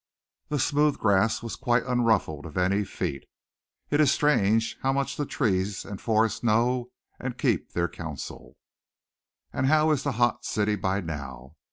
The smooth grass was quite unruffled of any feet. It is strange how much the trees and forest know and keep their counsel. "And how is the hot city by now?